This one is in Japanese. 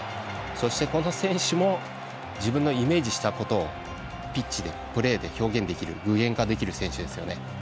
そして、この選手も自分のイメージしたことをピッチでプレーで表現できる具現化できる選手ですね。